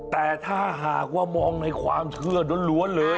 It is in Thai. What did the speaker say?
แต่ถ้าหากว่ามองในความเชื่อล้วนเลย